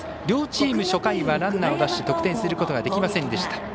両チーム初回はランナーを出して得点することはできませんでした。